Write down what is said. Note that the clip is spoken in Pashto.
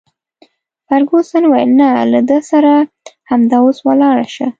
فرګوسن وویل: نه، له ده سره همدا اوس ولاړه شه.